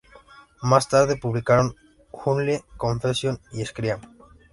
Más tarde publicaron "Unholy Confessions" y "Scream.